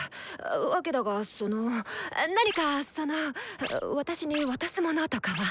わけだがその何かその私に渡すものとかは。